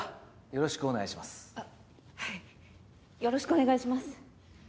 よろしくお願いします。